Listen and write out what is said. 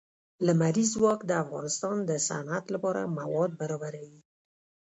لمریز ځواک د افغانستان د صنعت لپاره مواد برابروي.